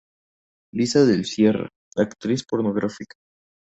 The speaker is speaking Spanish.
Liza del Sierra, actriz pornográfica.